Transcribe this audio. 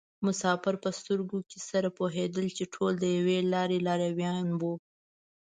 مسافر په سترګو کې سره پوهېدل چې ټول د یوې لارې لارویان وو.